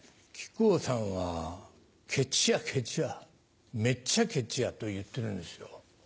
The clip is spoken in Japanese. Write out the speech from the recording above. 木久扇さんはケチやケチやめっちゃケチやと言ってるんですよ。